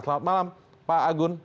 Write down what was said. selamat malam pak agun